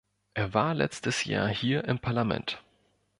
Er war letztes Jahr hier im Parlament.